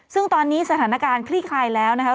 ซึ่งตอนนี้สถานการณ์คลี่คลายแล้วนะครับ